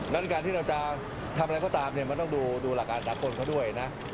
ด้านการที่เราจะทำอะไรก็ตามนี้มันต้องดูฐากรกภัณฑ์เขาด้วยนะ